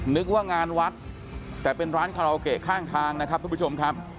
นึกว่างานวัดแต่เป็นร้านคาราโอเกะข้างทางนะครับทุกผู้ชมครับ